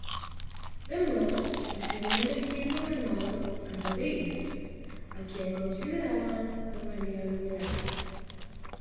De modo que hicieron elegir gobernador a Rodríguez, a quien consideraban un aliado leal.